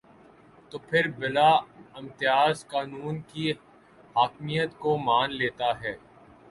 تو پھر بلا امتیاز قانون کی حاکمیت کو مان لیتا ہے۔